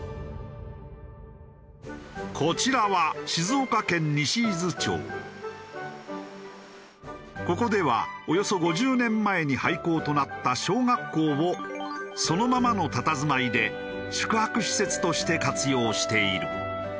こちらはここではおよそ５０年前に廃校となった小学校をそのままのたたずまいで宿泊施設として活用している。